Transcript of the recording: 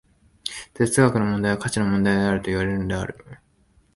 哲学の問題は価値の問題であるといわれるのである。